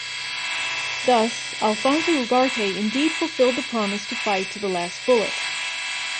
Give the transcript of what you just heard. Thus, Alfonso Ugarte indeed fulfilled the promise to fight to the last bullet.